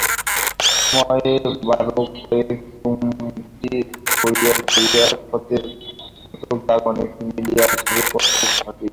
সময়ে বারকয়েক চুমটি পড়িয়া পড়িয়া ক্ষতের কতক দাগ অনেকটা মিলিয়া আসিবে, কতক থাকিবে।